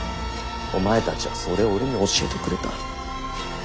お前たちはそれを俺に教えてくれた。